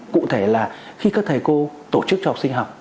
cụ thể là khi các thầy cô tổ chức cho học sinh học